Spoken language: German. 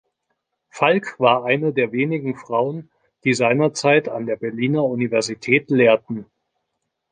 Falk war eine der wenigen Frauen, die seinerzeit an der Berliner Universität lehrten.